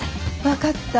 分かった。